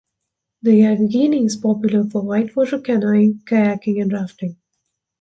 The Youghiogheny is popular for whitewater canoeing, kayaking and rafting.